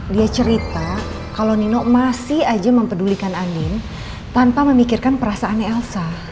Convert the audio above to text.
dia cerita kalau nino masih aja mempedulikan andin tanpa memikirkan perasaan elsa